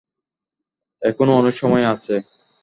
এখনো অনেক সময় আছে।